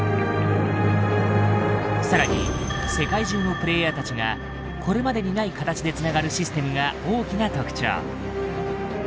更に世界中のプレイヤーたちがこれまでにない形でつながるシステムが大きな特徴。